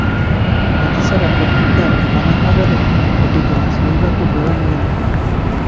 ରାତି ସାରା ବକ୍ତୃତା ଓ ପାନାହାରରେ କଟିଯାଏ, ଶୋଇବାକୁ ବେଳ ମିଳେ ନାହିଁ ।